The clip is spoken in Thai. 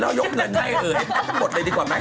แล้วยกเงินให้เลยทั้งหมดเลยดีกว่าไหม